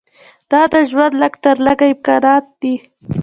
دا د ژوند لږ تر لږه امکانات دي.